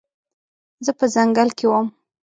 زه په ځنګل کې وم